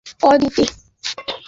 I love you, Aditi.